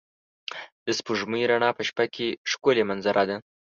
د سپوږمۍ رڼا په شپه کې ښکلی منظره ده.